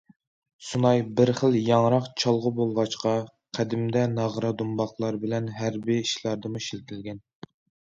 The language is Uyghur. سۇناي بىر خىل ياڭراق چالغۇ بولغاچقا، قەدىمدە ناغرا- دۇمباقلار بىلەن ھەربىي ئىشلاردىمۇ ئىشلىتىلگەن.